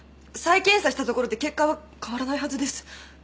再検査したところで結果は変わらないはずです。